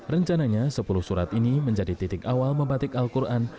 rencananya sepuluh surat ini menjadi titik awal membatik al quran